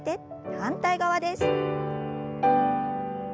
反対側です。